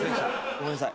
ごめんなさい。